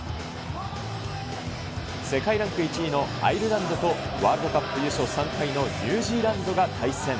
世界ランク１位のアイルランドと、ワールドカップ優勝３回のニュージーランドが対戦。